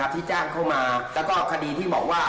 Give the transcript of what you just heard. ที่จ้างเข้ามาแล้วก็คดีที่บอกว่า